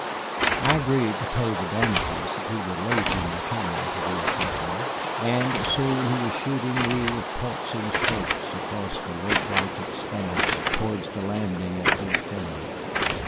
I agreed to pay the damages if he were late in returning for these gentlemen, and soon he was shooting me with pulsing strokes across the lake like expanse towards the landing at Fort Finney.